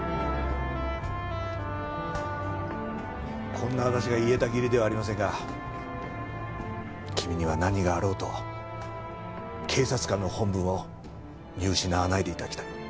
こんな私が言えた義理ではありませんが君には何があろうと警察官の本分を見失わないで頂きたい。